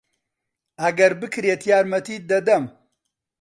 ئەگەر بکرێت یارمەتیت دەدەم.